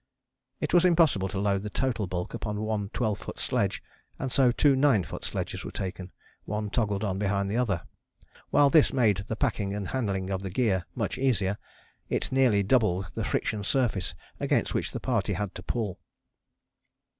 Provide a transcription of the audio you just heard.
It was impossible to load the total bulk upon one 12 ft. sledge, and so two 9 ft. sledges were taken, one toggled on behind the other. While this made the packing and handling of the gear much easier, it nearly doubled the friction surface against which the party had to pull.